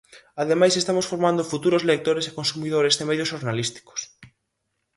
Ademais estamos formando futuros lectores e consumidores de medios xornalísticos.